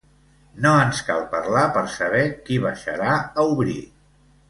No ens cal parlar per saber qui baixarà a obrir.